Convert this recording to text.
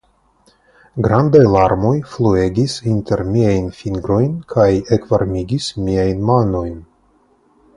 Grandaj larmoj fluegis inter miajn fingrojn kaj ekvarmigis miajn manojn.